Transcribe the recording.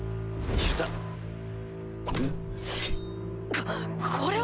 ここれは！